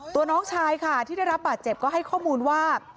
น้องชายค่ะที่ได้รับบาดเจ็บก็ให้ข้อมูลว่า